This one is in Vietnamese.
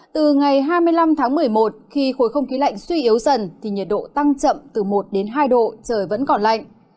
từ ngày hai mươi năm tháng một mươi một khi khối không khí lạnh suy yếu dần thì nhiệt độ tăng chậm từ một đến hai độ trời vẫn còn lạnh